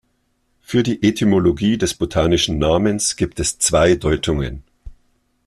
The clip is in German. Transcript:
Für die Etymologie des botanischen Namens gibt es zwei Deutungen.